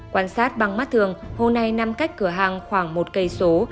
quan sát bằng mắt thường hồ này nằm cách cửa hang khoảng một cây số